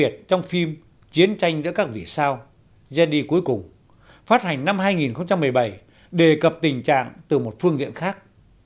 trong phim chiến tranh giữa các vị sao jedi cuối cùng phát hành năm hai nghìn một mươi bảy đề cập tình trạng từ một phương hiện khác